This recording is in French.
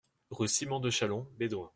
Rue Simon de Chalons, Bédoin